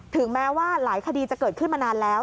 ถึงแม้ว่าหลายคดีจะเกิดขึ้นมานานแล้ว